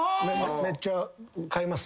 めっちゃ買います？